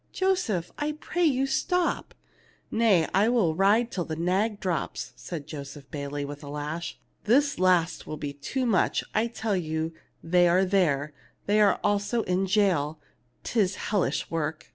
Joseph, I pray you, stop." "Nay ; Til ride till the nag drops/' said Joseph Bayley, with a lash. " This last be too much. I tell ye they are there, and they are also in jail. 'Tis hellish work."